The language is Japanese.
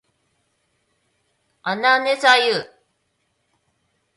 あなねさゆ